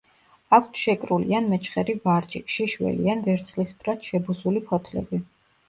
აქვთ შეკრული ან მეჩხერი ვარჯი, შიშველი ან ვერცხლისფრად შებუსული ფოთლები.